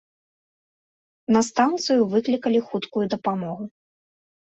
На станцыю выклікалі хуткую дапамогу.